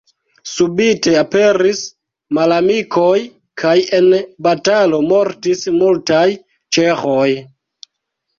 Subite aperis malamikoj kaj en batalo mortis multaj ĉeĥoj.